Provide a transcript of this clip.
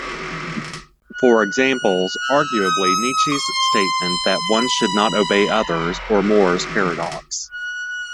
For examples, arguably, Nietzsche's statement that one should not obey others, or Moore's paradox.